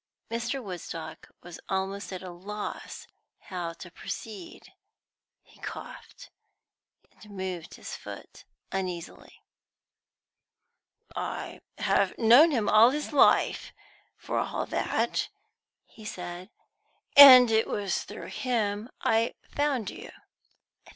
Mr. Woodstock was almost at a loss how to proceed. He coughed, and moved his foot uneasily. "I have known him all his life, for all that," he said. "And it was through him I found you."